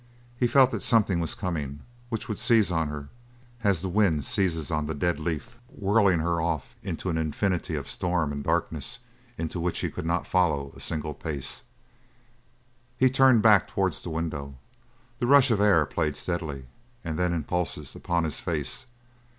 He felt that something was coming which would seize on her as the wind seizes on the dead leaf, whirling her off into an infinity of storm and darkness into which he could not follow a single pace. He turned back towards the window. The rush of air played steadily, and then in pulses, upon his face.